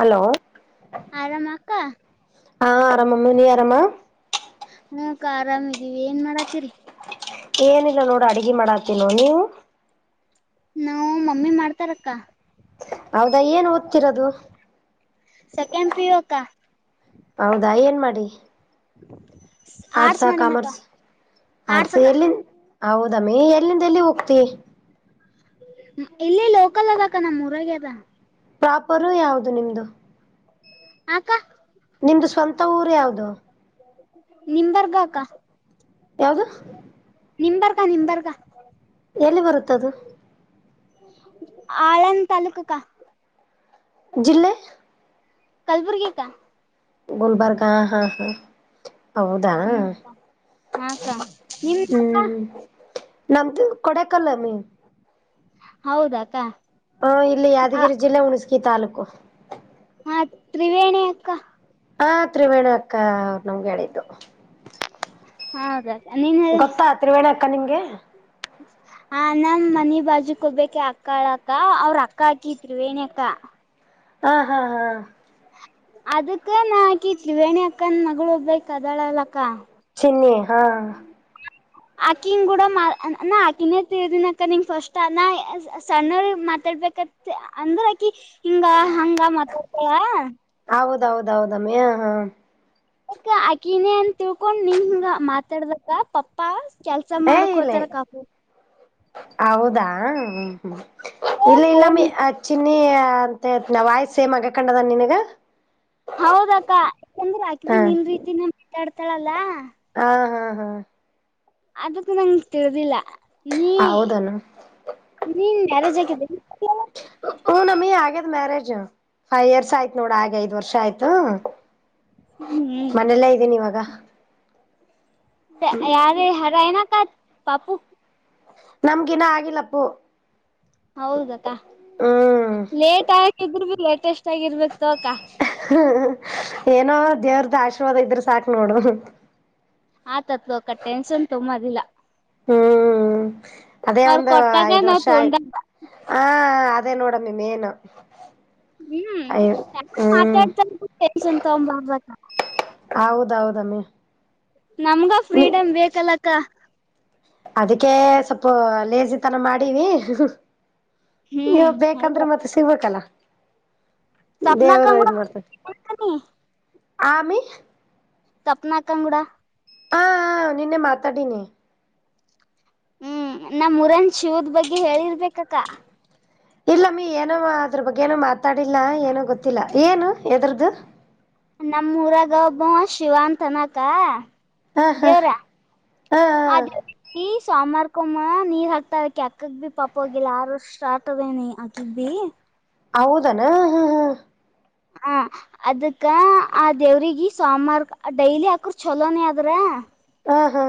Hello ಆರಾಮ ಅಕ್ಕಾ ಹಾ ಆರಾಮಾಮ ನೀ ಆರಾಮ ಹ್ಮ ಅಕ್ಕಾ ಆರಾಮಿದೀವಿ ಏನ್ ಮಾಡಾತೀರಿ ಏನಿಲ್ಲ ನೋಡು ಅಡಗೆ ಮಾಡಾತೀನೋ ನೀವು ನಾವು ಮಮ್ಮಿ ಮಾಡ್ತಾರಕ್ಕ ಹೌದಾ ಏನು ಓದ್ತಿರೋದು ಸಕ್ ಪಿವಕಾ [unintelligible] ಹೌದಾ ಏನ್ ಮಾಡಿ [unintelligible] ಆರ್ಟ್ಸ್ ಕಾಮರ್ಸ್ ಆರ್ಟ್ಸ್ ಎಲ್ಲಿ ದಾಮಿ ಎಲ್ಲಿಂದ ಎಲ್ಲಿ ಹೋಗ್ತಿ ಇಲ್ಲಿ ಲೋಕಲ್ ಅದಕ್ಕ ನಮ್ಮ್ ಊರಾಗ ಅದ ಪ್ರಾಪರು ಯಾವದು ನಿಮ್ದು ಹ ಅಕ್ಕ ನಿಮ್ದು ಸ್ವಂತ ಊರು ಯಾವ್ದು ನಿಂಬರ್ಗಾ ಅಕ್ಕ ಯಾವ್ದು ನಿಂಬರ್ಗಾ ನಿಂಬರ್ಗ ಎಲ್ಲಿ ಬರುತ್ತದು ಆಳನ್ ತಲೋಕು ಅಕ್ಕ ಜಿಲ್ಲೆ ಕಲ್ಬುರ್ಗಿಿ ಅಕ್ಕಾ ಗುಲ್ಬರ್ಗ ಹಾ ಹಾ ಹಾ ಹೌದಾ ಹ್ಮ್ ಹಾ ಅಕ್ಕ ನಿಮ್ ಅಕ್ಕ ಹ್ಮ್ ನಮ್ದು ಕೊಡಕಲ್ಲಮ್ಮಿ ಹೌದಾಕ್ಕ ಹಾ ಇಲ್ಲಿ ಯಾದಗಿರಿ ಜಿಲ್ಲೆ ಹುಣಸಕಿ ತಾಲೂಕು ಹಾ ತ್ರಿವೇಣಿ ಅಕ್ಕ ಹಾ ತ್ರಿವೇಣ ಅಕ್ಕ ಅವ ನಮ್ಗೆ ಹೇಳಿದ್ದು ಹೌದ ಗೊತ್ತಾ ತ್ರಿವೇಣಿ ಅಕ್ಕ ನಿಂಗೆ ಹ ನಮ ಮನಿ ಬಾಜುಕ್ ಹೋಗ್ಬ ಅಕ್ಕಳ ಅಕ್ಕ ಅವ್ರ ಅಕ್ಕ ಹಾಕ ತ್ರಿವೇಣಿ ಅಕ್ಕ ಹಾ ಹಾ ಹಾ ಅದಕ್ಕ ನಾ ಹಾಕಿ ತ್ರಿವೇಣಿ ಅಕ್ಕನ್ ಮಗಳು ಒಬ್ಬೇಕ ಅದಾಳಲ್ಲಕ್ಕ ಚಿನ್ನೆ ಹಾ ಹ ಆಕಿಂಗ ಕೂಡ ನಾ ಆಕಿನೇ ತಿ್ದಿನಕ ನಿಂಗ ಫಸ್ಟ್ ನ ಸಣ್ಣತ ಹೇಳ್ಬೇಕ ಅಂದ್ರಕಿ ಹಿಂಗ ಹಂಗ ಮಾತಾಡ್ತಾರ ೌದೌದೌದಮ್ಮಯ ಹಾ ಅಕ್ಕ ಆಕಿನೇ ಅಂತ ತಿಳ್ಕೊಂಡ್ ನಿಂಗಂಗ ಮಾತಾಡ್ಬೇಕಕ್ಕ ಪಪ್ಪಾ ಕೆಲ್ಸ ಏ ಮಾಡಕ್ ಇಲ್ಲ ಇಲ್ಲ ಹೋತಾರಕ್ಕ ಹೌದಾ ಹ್ಮ್ಮ ಇಲ್ಲ ಇಲ್ಲಾ ಫೋನ್ ಮ್ಮಿ ಅ ಚಿನ್ನಿ ಅಂತ ಹ ನ ವಾಯ್ಸ್ ಸೇಮ ಆಗ ಕಂಡದ ನಿಿನಗ ಹೌದಕ್ಕ ಯಾಕಂದ್ರೆ ಅಕಬ ನಿನ್ ರೀತಿನ ಮಾತಾಡ್ತಾಳಲ್ಲಾ ಹಾ ಹಾ ಹಾ ಅದಕ್ಕ ನಂಗ ತಿಳ್ದಿಲ್ಲ ನೀ ಹೌದನ ನೀನ್ ಮ್ಯಾರೇಜ್ ಆಗಿದೆನು ಹ್ಞೂ ನಮ್ಮಿ ಆಗ್ಯದ್ ಮ್ಯಾರೇಜ್ ಫೈವ್ ಇಯರ್ಸ್ ಆಯ್ತು ನೋಡ ಹಾಗೆ ಐದ್ ವರ್ಷ ಆಯ್ತು ಹ್ಮ್ ಮನೆಲ್ಲ ಇದ್ದೇನೆ ಇವಾಗ ಯಾರ ಯಾರನಾ ಕ ಪಾಪೂ ನಮ್ಗಿನ ಆಗಿಲ್ಲಪ್ಪು ಹೌದಕ್ಕ ಹ್ಮ್ ಲೇಟ್ ಆಗಿದರು ಬಿ ಲೇಟೆಸ್ಟ್ ಆಗಿರ್ಬೇಕತ ಅಕ್ಕ ಹ್ಮ ಏನೋ ದೇವ್ರ್ದ ಆಶೀರ್ವಾದ ಇದ್ರೆ ಸಾಕ್ ನೋಡು ಆತತ್ ಅಕ ಟೆನ್ಷನ್ ತುಂಬದಿಲ್ಲ ಹ್ಮ್ ಅದೇ ಅವ್ರ ಒಂದು ಕೊಟ್ಟಾಗ ಐದು್ ನಾವ್ ವರ್ಷ ಆಯ ತೊಂಡಾಗ ಆ ಅದೇ ನೋಡಣ ಮಏನು ಹ್ಮ್ ಎ ಮಾತಾಡ್ತಾರನ್ ತಗಂಬಬ ಹೌದೌದಮ್ಮೇ ನಮ್ಗ ಫ್ರೀಡಮ್ ಬೇಕಲ್ಲಕ್ಕ ಅದಕ್ಕೆ ಸ್ವಪ ಲೇಸಿ ತನ ಮಾಡೀಿವಿ ನೀವು ಹ್ಮ್ ಹೌದ ಬೇಕಂದ್ರೆ ಮತ್ತೆ ಸಿಗ್ಬೇಕಲ್ಲ ಸಪ್ನಾ ದೇವರು ಕಂಗಡ ಇದ್ ಮಾಡ್ತಾರೆ ನೀ ಆಮಿ ತಪ್ನಾಕ್ಕಂಗೂಡ ಹಾ ನಿನ್ನೆ ಮಾತಾಡಿನಿ ಹ್ಮ್ ನಮ್ಮ್ ಮುರನ್ಶಿವದ್ ಬಗ್ಗೆ ಹೇಳಿರ್ಬೇಕಕ್ಕ ಇಲ್ಲ ಮೀ ಏನೋ ಅದ್ರ ಬಗ್ಗೆೇಏನೋ ಮಾತಾಡಿಲ್ಲ ಏನೋ ಗೊತ್ತಿಲ್ಲ ಏನು ಎದ್ರದು ನಮ್ಮೂಊರಾಗ ಒಬ್ಬ ಶಿವ ಅಂತ ಅನಕ ಹ ಹಾ ದೇವರ ಅ ದೇವ ಹಾ ಸಾಮಾರ್ಕೊಮ್ಮ ನೀರ್ ಹಾಕ್ತಾರಕಿ ಅಕ್ಕಗ್ ಬಿ ಪಾಪ ಹೋಗಿಿಲ್ಲ ಆರಷ್ಟ್ಟಾರಟ್ದೇನಿ ಅಕ್ಕಿಗ್ ಭ ಹೌದನಾ ಹಾ ಹಾ ಹ ಅದಕ್ಕ ಆ ದೇವ್ರಗ ಸಾಮಾರ್ ಡೈಲಿ ಹಾಕ್ರ ಚಲೋನೇ ಆದದ್ರ ಹಾ ಹಾ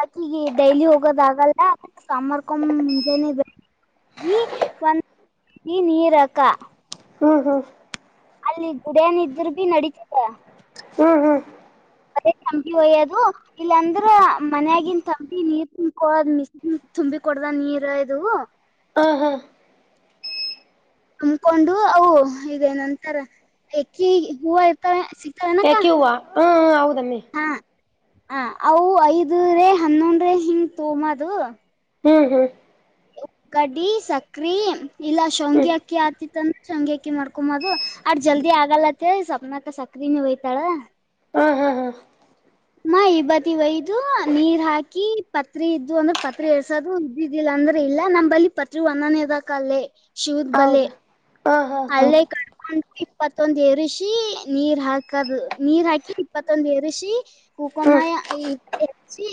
ಆಕಿಗೆ ಡೈಲಿ ಹೋಗೋದಾಗಲ್ಲ ಸಾರ್ಕೊ್ ಮುಂಜಾನೇ ಬೆ ಈ ಒಂದ ನೀರಕ್ಕ ಹ್ಮ ಹ್ಮ ಅಲ್ಲಿ ಗುಡನ ಇದರು ಭೀ ನಡತದ ಹ್ಮ್ ಹ್ಮ್ ಮದೇ ಚಂಪಿ ಹಯ್ಯದು ಇಲ್ಲಾಂದ್ರ ಮನ್ಯಗನ್ ತಂಬಿ ನೀರ್ ತುಂಬಕೋದ್ ಮಿಸ ತುಂಬಿ ಕೊಡದ ನೀರ್ ಇದು ಆ ಹಾ ತಂಬಕೊಂಡು ಅವು ಇದ ನಂತರ ಎಕ್ಕಿ ಹೂವು ಇರ್ತವೆ ಸಿಕ್ಕವೆನಕ್ಕ ಯಾಕೆ ಹೂವ ಹಾ ಹ ಹೌದಮ್ಮಿ ಹಾ ಹ ಅವು ಐದ್ರೆ ಹನ್ನೊಂದ್ರೆ ಹಿಂಗ ತೋಮದು ಹ್ಮ್ ಹ್ಮ್ ಗಡ್ಡಿ ಸಕ್ರೆ ಇಲ್ಲ ಶವಂಗಿ ಹ್ಮ್ ಅಕ್ಕಿ ಆತಿ ಶಂಗ್ಯಾಕಿ ಮಾಡ್ಕೊಂಬದು ಆಡ್ ಜಲ್ದಿ ಆಗಲತ್ತ ಸವಪ್ನಾಕ ಸಕ್ರ ನೀ ಹೋಯ್ತಾಳ ಹಾ ಹಾ ಹಾ ಮಾ ಇಬತಿ ಒಯ್ದ ನೀರ್ ಹಾಕಿ ಪತ್ರಿ ಇದ್ದು ಅಂದ್ರೆ ಪತ್ರಿ ಎರ್ಸದು ಇದ್ದಿದ್ದಿಲ್ಲ ಅಂದ ಅಂದ್ರೆ ಇಲ್ಲ ನಂಬಲ್ಲಿ ಪತ್ರಿ ಒಂದನೇದಕ ಅಲ್ಲೇ ಶೂದ್ ಬಲೆ ಹೌದು ಹಾ ಹಾ ಹಾ ಹಳ್ಳೆ ಕಕ ಇಪ್ಪತ್ತೊಂದ ಎರುಶಿ ನೀರ್ ಹಾಕದು ನೀರ್ ಹಾಕಿ ಇಪ್ಪತ್ತೊಂದು ಎರೆಸಿ ಉಕಮ್ಮ ಹ್ಮ್ ಎಚ್ಚಿ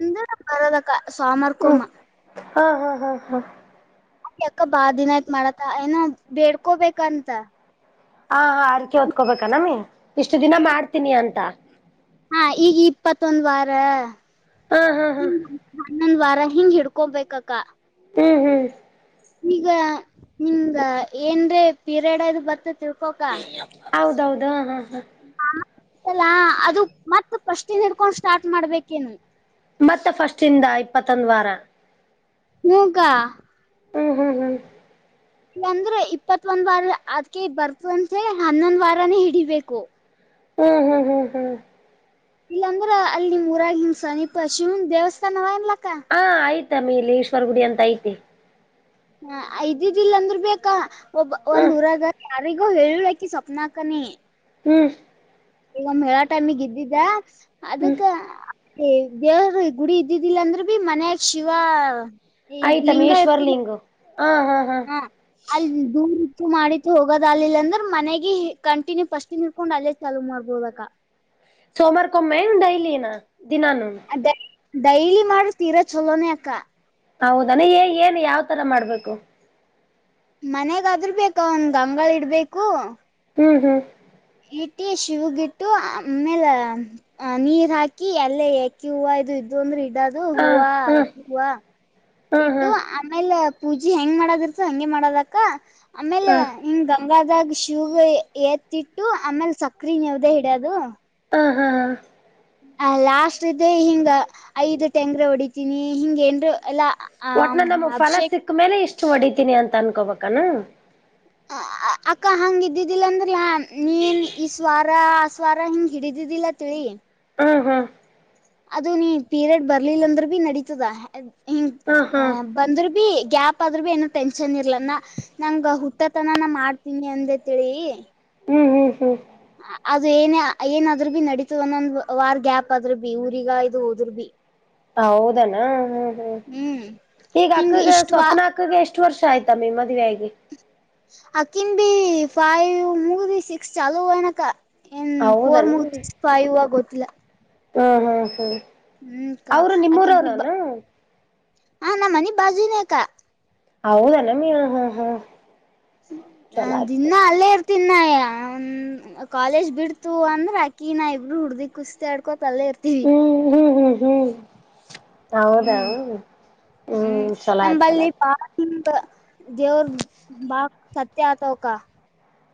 ಹಿಂದ ಬರೋದಕ್ಕ ಹ್ಮ್ ಸಾಮಾರ್ಕೊಮ್ಮ ಹಾ ಹಾ ಹಾ ಹಾ ಅ ಅಕ್ಕ ಬಾ ದಿನ ಆಯ್ತ್ ಮಾಡತ್ತ ಏನೋ ಬೇಡ್ಕೋಬೇಕಂತ ಹ ಹಾ ಆರ್ಕೆ ಹೊದ್ಕೋಬೇಕ ನಮಿ ಇಷ್ಟು ದಿನ ಮಾಡ್ತೀನಿ ಅಂತ ಹಾ ಈಗ ಇಪ್ಪತ್ತೊಂದ ವಾರ ಹಾ ಹಾ ಹಾ ನನ್ ವಾರ ಹಿಂಗ್ ಹಿಡ್ಕೊಬೇಕಕ್ಕ ಹ್ಮ್ ಹ್ಮ್ ಈಗ ನಿಂಗಂಗ ಏನ್ರ ಪೀರಿಯಡ್ ಅ ಬರ್ತತಿ ಹೌದೌದ ಹಾ ಹಾ ಲ್ಲಾ ಅದು ಮತ್ತ್ ಫಸ್ಟ್ಇಂದ್ ಇಡ್ಕೊಂಡ್ ಸ್ಟಾರ್ಟ್ ಮಾಡ್ಬೇಕೇನ್ ಮತ್ ಫಸ್ಟ್ ಇಂದ ಇಪ್ಪತ್ತೊಂದ್ ವಾರ ಹಗ [unintelligible] ಹ್ಮ್ ಹ್ಮ್ ಹ್ಮ್ ಇಲ್ಲಂದ್ರೆ ಇಪ್ಪತ್ ಒಂದ್ ವಾರ ಅದ್ಕೆ ಬರ್ತಂತೆ ಹನ್ನೊಂದ್ ವಾರಾನೇ ಹಿಡಿಬೇಕು ಹ್ಮ್ ಹ್ಮ್ ಹ್ಮ್ ಹ್ಮ್ ಇಲ್ಲಾಂದ್ರ ಅಲ್ಲಿ ನಿಮ್ಊಾರಾಗಿ ಹಿಂಗ್ ಸಮೀಪ ಶಿವನ್ ದೇವಸ್ಥಾನವ ಇಲ್ಲ ಹಾ ಆಯ್ತಮ್ಮಿ ಇಲಿ ಈಶ್ವರ ಗುಡಿ ಅಂತ ಐತಿ ಹ ಇದಿದ್ದಿಲ್ಲ ಅಂದ್ರ ಬೇಕಾ ಒಬ್ಬ ಹ ಒಂದ್ ಊರಾಗ ಯಾರಿಗೋ ಹೇಳಕಿ ಸ್ವಪ್ನಾಕನಿ ಹ್ಮ್ ಈಗ ಮಳ ಟೈಮಿಗೆ ಇದ್ದಿದ್ದ ಹ್ಮ್ ಅದಕ್ಕ ಏಯ್ ದೇವ್ರ್ ಗುಡಿ ಇದ್ದಿದ್ದಿಲ್ಲ ಅಂದ್ರ ಬಿ ಮನ್ಯಾಗ ಶಿವ ಇ ಆಯ್ತಮ್ಮ ಲಿಂಗ ಇರಕ್ ಈಶ್ವರ್ಲಿಂಗು ಹಾ ಹಾ ಅ [unintelligible] ಮಾಡಿತ್ ಹೋಗೋದಲಿಲ್ಲ ಅಂದ್ರ ಮನೆಗೆ ಕಂಟಿನ್ಯೂ ಫಸ್ಟ್ನ್ ಇಡ್ಕೊಂಡ್ ಅಲ್ಲೇ ಚಲು ಮಾಡ್ಬೋದ್ ಅಕ್ಕ ಸೋಮಾರಕೊಮ್ಮೆಂಗ್ ಡೈಲಿನ ದಿನಾನು ಅದೇ ಡೈಲಿ ಮಾಡ್ ತೀರಾ ಚೊಲೋನೇ ಅಕ್ಕ ಹೌದಾನ ಏ ಏನ್ ಯಾವ್ ತರ ಮಾಡ್ಬೇಕು ಮನ್ಯಾಗ ಆದ್ರ್ ಬೇಕು ಅವನ್ ಗಂಗಾಳ್ ಇಡ್ಬೇಕು ಹ್ಮ್ ಹ್ಮ್ ಇಟ್ಟಿ ಶಿವುಗ್ ಇಟ್ಟು ಆಮೇಲೆ ನೀರ್ ಹಾಕಿ ಎಲ್ಲೇ ಎಕಿ ಹೂವು ಇದು ಇದು ಅಂದ್ರೆ ಇ ಅದು ಹ ಹೂವ ಹ ಎಕ್ ಹೂವ ಹಾ ಹಾ ಇಟ್ಟು ಹ ಆಮೇಲ್ ಪೂಜೆ ಹೆಂಗ್ ಮಾಡೋದಿರ್ತ ಹಂಗೆ ಮಾಡದಕ್ಕ ಆಮೇಲೆ ಹ ಹಿಂಗ್ ಗಂಗಾ ದಾಗ ಶೂ ಎ ಏತ್ತಿಟ್ಟು ಆಮೇಲೆ ಸಕ್ರೆ ನವು್ದೇ ಹಿಡೋದು ಹಾ ಹಾ ಹಾ ಹ ಲಾಸ್ಟ್ ಇದ್ದೆ ಹಿಂಗ ಐದ್ ತೆಂಗ್ರ ಹೊಡಿತೀನಿ ಹಿಂಗ ನ್ರು ಎಲ್ಲಾ ಆ ಒಟ್ನ ನಮ್ ಫಲ ಅಭಿಷೇಕ ಸಿಕ್ ಮೇಲೆ ಇಷ್ಟು ಹೊಡಿತೀನಿ ಅಂತ ಅನ್ಕೋಬಾಕಾನು ಅಕ್ಕ ಹಂಗ್ ಇದ್ದಿದ್ದಿಲ್ಲ ಅಂದ್ರಾ ನೀನ್ ಈಸ್ವಾರ ಆಸ್ವಾರ ಹಿಂಗ್ ಹಿಡಿದಿದ್ ಇಲ್ಲತ್ರಿ [unintelligible] ಹಾ ಹಾ ಅದು ನೀ ಪೀರಿಯಡ್ ಬರ್ಲಿಲ್ಲ ಅಂದ್ರ ಬಿ ನಡೀತದ ಹಂಗ ಹಾ ಹಾ [unintelligible] ಬಂದ್ರ್ ಬಿ ಗ್ಯಾಪ್ ಆದ್ರೂ ಏನು ಟೆನ್ಷನ್ ಇರ್ಲಾನ ನಂಗ್ ಹುಟ್ಟತನಾನ ಮಾಡ್ತೀನಿ ಅಂದೇ ತಿಳಿ ಹ್ಞೂ ಹ್ಞ ಹ್ಞೂ ಅ ಅದು ಏನ ಏನಾದ್ರು ಬಿ ನಡೀತು ಒಂದೊಂದ್ ವಾರ್ ಗ್ಯಾಪ್ ಆದ್ರು ಬಿ ಊರಿಗ ಇದು ಉದುರ್ ಬಿ ಹೌದನಾ ಹ ಹ್ಮ್ ಈಗ ಹಿಂಗ ಅಕ್ಕಗ ಇಷ್ಟ ವಾ ಸ್ವಪ್ನ ಅಕ್ಕಗ ಎಷ್ಟ್ ಎಷ್ಟು ವರ್ಷ ಆಯ್ತಮ್ಮಿ ಮದುವೆಯಾಗಿ ಅಕಿನ್ ಬಿ ಫೈವ್ ಮುಗಿದಿ ಸಿಕ್ಸ್ ಚಾಲು ನಕ ಏನ್ ಹೌದನ ಫೋರ್ ಮುಗದ್ ಫೈವ್ ಒ ಗೋತ್ತಿಲ್ಲ ಹ್ಮ್ ಹ್ಮ್ ಹ್ಮ್ ಅವ್ರು ನಿಮ್ಮೂರ್ ರೌನ ಆ ನಮ್ಮನಿ ಬಾಜಿನೇಕ ಹೌದಾನಮಿ ಹ ಹಾ ಹಾ ನ ದಿನ ಅಲ್ಲೇ ಇರ್ತ ತಿನ್ನಯ ಕಾಲೇಜ್ ಬಿಡ್ತು ಅಂದ್ರೆ ಅಕಿನ ಇಬ್ಬರು ಹುಡ್ದಿ ಕುಸ್ತಿ ಆಡ್ಕೊ ಪಲ್ಲೇ ಇರ್ತೀವಿ ಹ್ಮ್ ಹ್ಮ್ ಹ್ಮ್ ಹ್ಮ್ ಹೌದ ಹ್ಮ್ ಹ್ಮ್ ಚಲೋ ಆಯ್ತ್ ಚಲ ಆಯ್ತ ದೇವರ್ ಬಾಗ್ ಸತ್ಯ [unintelligible] ಅತ ಕ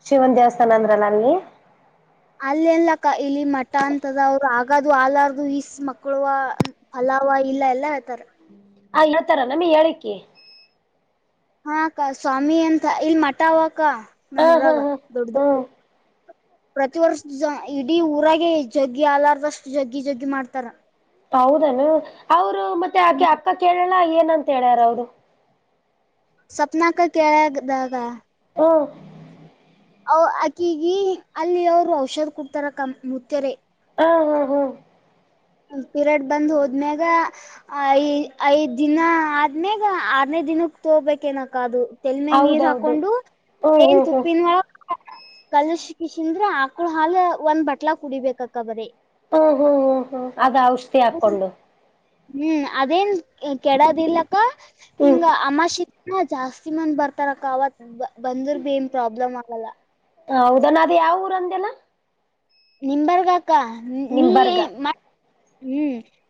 ಶಿವನ್ ದೇವಸ್ಥಾನ ಅಂದ್ರಲ್ಲ ಅಲ್ಲಿ ಅಲ್ಲಲ್ಲಕ್ಕ ಇಲ್ಲಿ ಮಠ ಅಂತದ ಅವರು ಆಗಾದದು ಹಲಾರ್ದು ಇಸ್ ಮಕ್ಳ ಫಲ ಯಾವ ಇಲ್ಲ ಎಲ್ಲಾ ಹೇಳ್ತಾರ [unintelligible] ಹ ಹೇಳ್ತರ ನಮಗೆ ಹೇಳಕ್ಕೆ ಹಾ ಅಕ್ಕ ಸ್ವಾಮಿ ಅಂತ ಇಲ್ ಮಠ ಅವಕ್ಕ ನಮ್ ಹಾ ಹಾ ಊರಾಗ ಹಾ ದೊಡ್ದು ಹ್ಮ್ ಪ್ರತಿ ವರ್ಷದ ಇಡೀ ಊರಾಗೆ ಜಗ್ಗಿ ಆಲಾರ್ದಷ್ಟು ಜಗ್ಗಿ ಜಗ್ಗಿ ಮಾಡ್ತಾರ. ಹೌದನು ಅವ್ರು ಮತ್ತೆ ಹ್ಮ ಆಕೆ ಅಕ್ಕ ಕೇಳಲ್ಲ ಏನಂತ ಹೇಳ್ಯಾರ ಅವ್ರು. ಸಪ್ನಾಕ ಕೆಳಗ್ ದಾಗ ಹ ಅ ಆಕಿಗಿ ಅಲ್ಲಿ ಅವರು ಔಷಧ ಕೊಡ್ತಾರ ಕ ಮುತ್ಯರೆ. ಹಾ ಹಾ ಹ್ಮ್ ಪೀರಿಯಡ್ ಬಂದ್ ಹೋದ್ಮ್ಯಾಗ ಐ ಐದ್ ದಿನ ಆದ್ಮ್ಯಾಗ ಆರ್ನೇ ದಿನಕ್ಕೆ ತೋಬೇಕೇನಕ ಅದು ತಲೆ ಮ್ಯಾಗ್ ನೀರ್ ಹೌದೌದು ಹಾಕೊಂಡು ಹ್ಮ್ ಏನ್ ಹ್ಮ್ ಹ್ಮ್ ತುಪ್ಪಿನ ಹ ಕಲ್ಲಶ ಕಿಸಿಂದ್ರೆ ಆಕಳ ಹಾಲ ಒಂದ್ ಬಟ್ಲಾ ಕುಡಿಬೇಕಕ್ಕ ಬರೀ ಹ್ಮ್ ಹ್ಮ್ ಹ್ಮ್ ಹ್ಮ್ ಅದ್ ಔಷಧಿ ಹಾಕೊಂಡು. ಹ್ಮ್ ಅದೇನ್ ಕೆ ಕೆಡದಿಲ್ಲಕ್ಕ ಹ್ಮ್ ಹಿಂಗ ಅಮ್ಮಾಶಿ ಹಾ ಜಾಸ್ತಿ ಮಂದ್ ಬರ್ತಾರಕ್ಕ ಅವ ಬಂದ್ರ ಬಿ ಏನ್ ಪ್ರಾಬ್ಲಮ್ ಆಗಲ್ಲ. ಆ ಹೌದಾನ ಅದ್ ಯಾವ್ ಊರಂದ್ಯಲ ನಿಮ್ ಬರ್ಗಕ್ಕ ನೀ ನಿಂಬರ್ಗ ಹ್ಮ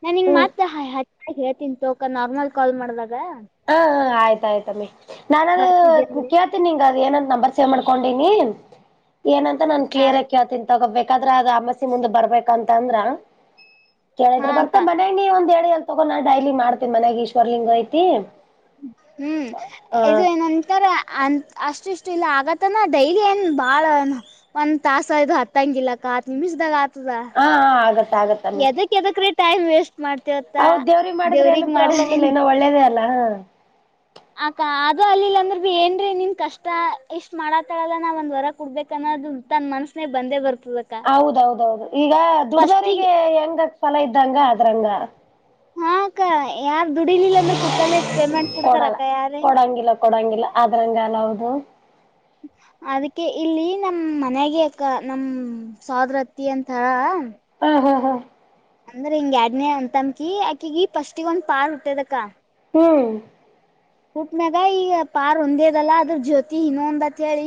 ನಾ ನಿಂಗ್ ಹ್ಮ್ ಮಾತ್ರ ಹ ಹಯ್ ಹೇಳ್ತೀನ್ ತಗೋಕ ನಾರ್ಮಲ್ ಕಾಲ್ ಮಾಡ್ದಾಗ ತಾಯ್ತಮ್ಮಿ ನಾನದು ಬರ್ತಿದ್ದೆ ಅಂದ್ರೆ ಕೇಳ್ತೀನಿ ನಿಂಗ್ ಅದ್ ಏನಂತ್ ನಂಬರ್ ಸೇವ್ ಮಾಡ್ಕೊಂಡೀನಿ. ಏನಂತ ನಾನ್ ಆ ಕ್ಲಿಯರ್ ಆಗಿ ಕೇಳ್ತನ್ ತಗೋಬೇಕಾದ್ರೆ ಅದ್ ಅಮಸಿ ಮುಂದೆ ಬರ್ಬೇಕಂತ ಅಂದ್ರ ಹಾ ಕೇಳಿದ್ರೆ ಬರ್ತ ಅಕ್ಕ ಮನೆಲಿ ಒಂದ್ ಎರಡ್ ಎಲ್ಲಿ ತೊಗೊಂಡ ನಾ ಡೈಲಿ ಮಾಡ್ತಿನ್ ಮನ್ಯಾಗ್ ಈಶ್ವರ್ಲಿಂಗ ಐತಿ ಹ್ಮ್ ಹ ಇದು ಹಾ ಏನಂತಾರ ಅನ್ ಅಷ್ಟುಷ್ ಅಷ್ಟ ಇಲ್ಲ ಆಗತನ ಡೈಲಿ ಏನ್ ಬಾಳ ಒಂದ್ ತಾಸದು ಹತ್ತಂಗ ಇಲಕ್ಕ ಹತ್ ನಿಮಿಷದಾಗ ಆ ತದ ಹಾ ಆಗತ್ತ ಎದಕ್ ಎದಕ್ರಿ ಟೈಮ್ ವೇಸ್ಟ್ ಮಾಡ್ತೇವತ್ತ ಹೌದ ದೇವ್ರಿಗೆ ಮಾಡಿದ್ರೆ ಏನು ದೇವ್ರಿಗ್ ಪ್ರಾಬ್ಲಮ್ ಇಲ್ಲ ಮಾಡೋದನ್ ಇನ್ನು ಒಳ್ಳೇದೇ ಅಲ್ಲ. ಅಕ ಅದು ಅಲ್ಲಿಲ್ಲ ಅಂದ್ರ ಬಿ ಏನ್ರೀ ನಿಮ್ ಕಷ್ಟ ಇಷ್ಟ್ ಮಾಡತಳಲ್ಲ ನಾವ್ ಒಂದ್ ವರ ಕೊಡ್ಬೇಕನ್ನ ದು ತನ್ ಮನಸ್ನ್ಯಾಗ್ ಬಂದೇ ಬರ್ ಹೌದೌದೌದು ಈಗ ಫಸ್ಟಿಗೆ ದುಡ್ದೋರಿಗೆ ಹೆಂಗಕ್ ಫಲ ಇದ್ದಂಗ ಅದ್ರಂಗ. ಹಾ ಅಕ್ಕ ಯಾರು ದುಡಿಲಿಲ್ಲ ಅಂದ್ರೆ ಕೂತಲ್ಲೆ ಪೇಮೆಂಟ್ ಕೊಡಲ್ಲ ಕೊಡ್ತಾರಕ್ಕ ಯಾರೇ ಕೊಡಂಗಿಲ್ಲ ಕೊಡಂಗಿಲ್ಲ ಆದ್ರಂಗ ಅಲ್ಲ ಹೌದು [inaudible] ಅದಕ್ಕೆ ಇಲ್ಲಿ ನಮ್ ಮನ್ಯಾಗೆ ಅಕ್ಕ ನಮ್ ಸೊದರತ್ತಿ ಅಂತಾರ ಆ ಹಾ ಹಾ ಅಂದ್ರ ಹಿಂಗ್ ಯಾಡ್ನೇ ಅಂತಮಕಿ ಆಕಿಗಿ ಫಸ್ಟಿಗ್ ಒಂದ್ ಪಾರ್ ಹುಟ್ಟದಕ್ಕ. ಹ್ಮ್ ಕೂತ್ ಮ್ಯಾಗ ಈಗ ಪಾರ್ ಒಂದೇದಲ್ಲ ಅದ್ರ ಜ್ಯೋತಿ ಇನ್ನೊಂದ್ ಅತ್ ಹೇಳಿ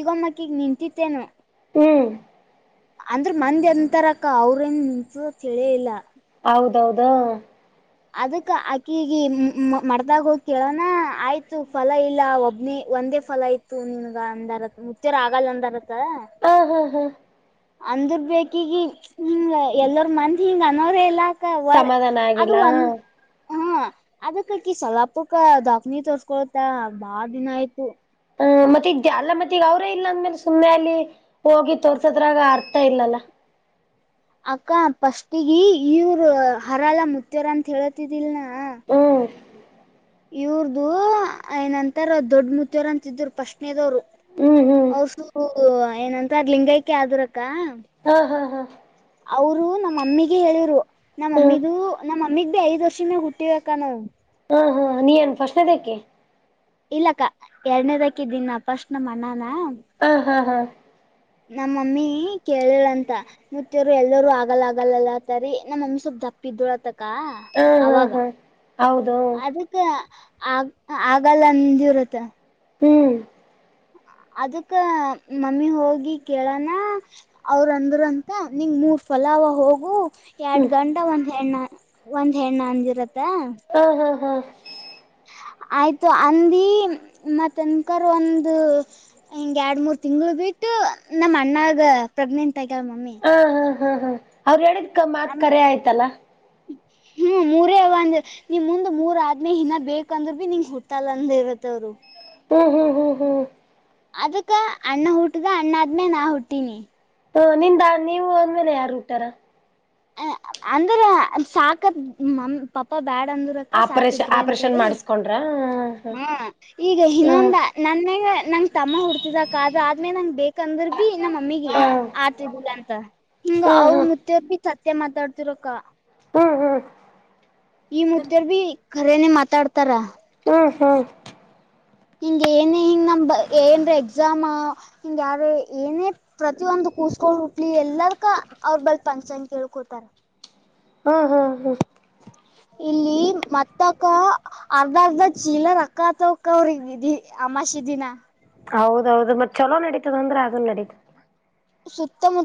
ಈಗೊಮ್ಮಕ್ಕಿಗ್ ನಿಂತಿ ತೆನು ಹ್ಮ್ ಅಂದ್ರ ಮಂದಿ ಅಂತರಕ್ಕ ಅವ್ರೇನ್ಸ್ ಚಳಿ ಇಲ್ಲ. ಹೌದೌದು ಅದಕ್ ಅಕ್ಕಿಗ ಮಡದಾಗ ಹೋಗ್ ಕೇಳೋಣ ಆಯ್ತು ಫಲ ಇಲ್ಲ ಒಬ್ನಿ ಒಂದೇ ಫಲ ಆಯ್ತು ನಿನ್ಗ ಅಂದಾರ ಮುತ್ಯರ ಆಗಲ್ಲ ಅಂದರಕ್ಕ ಆ ಹಾ ಹಾ ಅಂದ್ರ ಬೇ ಅಕಿಗಿ ಎಲ್ಲರ ಮಂದ್ ಹಿಂಗ್ ಅನ್ನೋದೇ ಇಲ್ಲ ತ ಯಾ ಸಮಾಧಾನ ಅದ್ ಆಗಿಲ್ಲ ಹೆಂಗ್ ಹಾ ಅದಕ್ಕಕಿ ಸಲಾಪಕ್ಕ ದಾವ್ಕನಿ ತೋರ್ಸ್ಕೊಳ್ತಾಳ ಬಾಳ ದಿನ ಆಯ್ತು. ಹ್ಮ ಮತ್ತೆ ಈಗ್ ಅಲ್ಲ ಮತ್ತೆ ಈಗ ಅವ್ರೇ ಇಲ್ಲ ಅಂದ್ಮೇಲೆ ಸುಮ್ಮ್ನೆ ಅಲ್ಲಿ ಹೋಗಿ ತೋರ್ಸದ್ರಾಗ ಅರ್ಥ ಇಲ್ಲಲ್ಲ. ಅಕ್ಕ ಫಸ್ಟಿಗ್ ಇವ್ರ ಹರಲ್ಲ ಮುತ್ಯ್ಯರ ಅಂತ ಹೇಳತಿದಿಲ್ನಾ ಹ್ಮ ಇವ್ರ್ದು ಏನಂತರ ದೊಡ್ ಮುತ್ಯರ ಅಂತಿದ್ರು ಪಸ್ಟ್ನೇದವ್ರು. ಹ್ಮ್ ಹ್ಮ್ ಔಸು ಏನಂತರ್ ಲಿಂಗೈಕ ಅದ್ರ್ಯಕ್ಕ ಹಾ ಹಾ ಹಾ ಅವ್ರು ನಮ್ಮಮ್ಮಿಗೆ ಹೇಳಿದ್ರು ಹ್ಮ್ ನಮ್ಮಮ್ಮಿದು ನಮ್ಮಮ್ಮಿಗ್ ಬಿ ಐದ್ ವರ್ಷ ಮೇಲ್ ಹುಟ್ಟಿವ್ ಅಕ್ಕ ನಾವು. ಹಾ ಹಾ ನೀ ಏನ್ ಶಣದೇಕಿ ಇಲ್ಲಕ್ಕ ಎರಡನೇದಕ್ಕ ದಿನ ಫಸ್ಟ್ ನಮ್ಮನ ಹ ಹಾ ಹಾ ನಮ್ಮಮ್ಮಿ ಕೇಳಳಂತ ನತ್ಯರು ಎಲ್ಲರುೂ ಆಗಲ್ಲ ಆಗಲ್ಲಲ್ಲತ್ತರಿ ನಮ್ಮಮ್ಮಿ ಸ್ವಲ್ಪ್ ದಪ್ಪ ಇದಳತ ಕ ಹಾ ಹಾ ಅವಾಗ ಹಾ ಹೌದು ಅದಕ್ಕೆ ಆಗ ಆಗಲ್ಲ ಅಂದ ಇರುತ್ತ ಹ್ಮ್ ಹ ಅದಕ್ಕ ಮಮ್ಮಿ ಹೋಗಿ ಕೇಳಣ ಅವ್ರಂದರು ಅಂತ ನಿಂಗ ಮೂರ್ ಫಲ [unintelligible] ಹೋಗು ಎರಡ್ ಹ್ಮ್ ಗಂಟಾ ಒಂದ್ ಹೆಣ್ಣ ಒಂದ್ ಹೆಣ್ಣ ಅಂದಿರತ್ತ ಹಾ ಹಾ ಹಾ ಹ ಆಯತು ಅಂದ ಮ ತನಕರು ಒಂದು ಹಿಂಗೆ ಎರಡು ಮೂರು ತಿಂಗಳು ಬಿಟ್ಟು ಬಿಟ್ಟು ನಮ್ಮ್ ಅಣ್ಣಾಗ ಪ್ರೆಗ್ನೆಂಟ್ ಆಗ್ಯಾವ ಮಮ್ಮಿ ಹಾ ಹಾ ಹಾ ಹಾ ಅವ್ರ ಹೇಳಿದ್ ಕ ಮಾತ್ ಆಮ ಕರೆ ಆಯ್ತಲ್ಲ ಹ್ಮ್ ಮೂರೇ ಒಂದ ನಿಮ್ ಮುಂದ್ ಮೂರ ಆದ್ಮೇ ಇನ ಬೇಕಂದ್ರರು ಭ ನಿಂಗ್ ಹುಟ್ಟಲ್ಲ ಅಂದ ಇರತ್ತವರು ಹ್ಮ್ ಹ್ಮ್ ಹ್ಮ್ ಹ್ಮ್ ಅದಕ್ಕ ಅಣ್ಣ ಹಊಟದ ಅಣ್ಣ ಆದ್ಮೇ ನಾ ಹುಟ್ಟೀನಿ ಹ ನಿಂದ ನೀವು ಒಂದ್ಮೇಲೆ ಯಾರು ಉಟಾರ ಅ ಅಂದ್ರ ಸಾಕತ್ ಮ ಪಪ ಬ್ಯಾಡ ಅಂದ್ರಕ್ಕ ಆಪರೇಷನ್ ಸಾಕಡ್ರಿ ಆಪರೇಷನ್ ಅಂತೇಳಿ ಮಾಡಿಸಕೊಂಡ್ರ ಹ ಹಾ ಈಗ ಹ್ಮ್ ಇನ್ನೊಂದ ನನ್ಗ ನಂಗ ತಮ್ಮ ಹುಡ್ತಿದಕ್ಕ ಅ ಆದ್ಮೇಲೆ ನಂಗ ಬೇಕಂದ್ರ ಬಿ ನಮ್ಮ ಮಮ್ಮಿಗೆ ಹ್ಮ್ ಆತಿದ್ದಿಲ್ಲ ಅಂತ ಹಿಂಗ ಹ್ಮ್ ಅವ್ರ ಹ್ಮ್ ಮುತ್ತ ಸತ್ಯ ಮಾತಾಡ್ತಿರಕ್ಕ ಹ್ಮ್ ಹ್ಮ್ ಈ ಮುದರ್ ಭೀ ಖರೇನೆ ಮಾತಾಡ್ತಾರ ಹ್ಮ ಹಾ ಹಿಂಗ ಏನ ಹಿಂಗ್ ನಮ ಏನ್ರ ಎಕ್ಸಾಮ ಹಿಂಗ ಯಾರ ಏನೇ ಪ್ರತಿಯೊಂದು ಕೂಸ್ಕೊಂಡ್ ಉಟ್ಲಿ ಎಲ್ಲಾರ್ಕ ಅವ್ರ ಬಲ್ ಪಫಂಚನ್ ಕೇಳ್ಕೋತಾರ ಹಾ ಹಾ ಹಾ ಇಲ್ಲಿ ಮತ್ತಕ್ಕ ಅರ್ಧ ಅರ್ಧ ಚೀಲ ರಕ್ಕತವಕ್ ಅವ್ರ ಇದಿ ಅಮಾಷಿ ದಿನ ಹೌದೌದು ಮತ್ತ ಚಲೋ ನಡೀತದ ಅಂದ್ರೆ ಅದನ್ ನಡತದ ಸುತ್ತಮುತ್ತ